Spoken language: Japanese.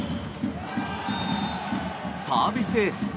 サービスエース！